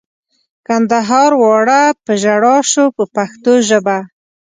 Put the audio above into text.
کندهار واړه په ژړا شو په پښتو ژبه.